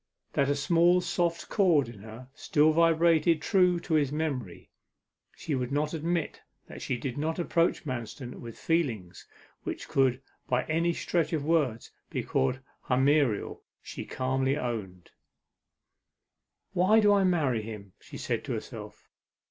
That a soft small chord in her still vibrated true to his memory, she would not admit: that she did not approach Manston with feelings which could by any stretch of words be called hymeneal, she calmly owned. 'Why do I marry him?' she said to herself.